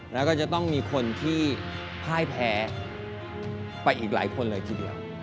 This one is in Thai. แล้วก็จะต้องมีคนที่พ่ายแพ้ไปอีกหลายคนเลยทีเดียว